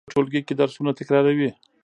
زده کوونکي په ټولګي کې درسونه تکراروي.